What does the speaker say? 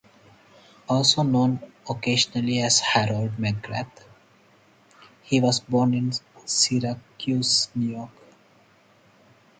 Also known occasionally as Harold McGrath, he was born in Syracuse, New York.